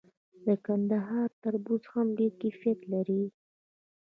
د کندهار تربوز هم ډیر کیفیت لري.